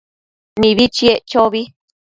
Mibi chiec chobi